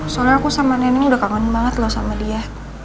soalnya aku sama nenek udah kangen banget loh sama dia